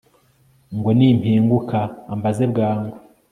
ngo nimpinguka ambaze bwangu